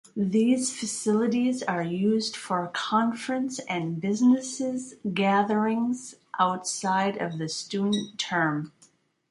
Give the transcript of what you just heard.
These facilities are used for conference and businesses gatherings outside of the student term.